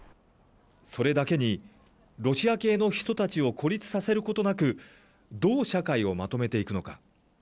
それだけに、ロシア系の人たちを孤立させることなく、どう社会をまとめていくのか。